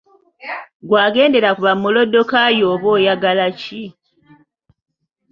Ggwe agendera ku ba Mulooddokayi oba oyagala ki?”